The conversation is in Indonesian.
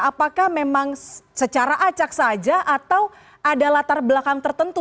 apakah memang secara acak saja atau ada latar belakang tertentu